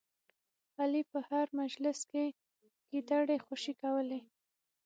علي په هر مجلس کې ګیدړې خوشې کوي.